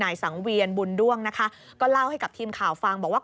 สังเวียนบุญด้วงนะคะก็เล่าให้กับทีมข่าวฟังบอกว่า